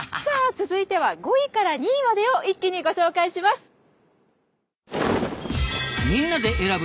さあ続いては５位から２位までを一気にご紹介します。